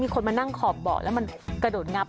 คนมานั่งขอบเบาะแล้วมันกระโดดงับ